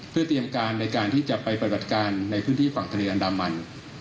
เพื่อเตรียมการในการที่จะไปปฏิบัติการในพื้นที่ฝั่งทะเลอันดามัน